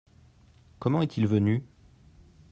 Comment est-il venu ?